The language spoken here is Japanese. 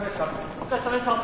・お疲れさまでした。